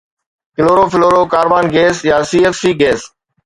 chloro fluoro carbon gas يا C F C gas